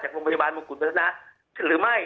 จากโรงพยาบาลมงคุณบริษณะหรือไม่